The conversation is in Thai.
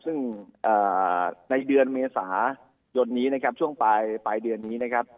ซึ่งในเดือนเมษายนนี้นะครับช่วงปลายเดือนนี้นะครับ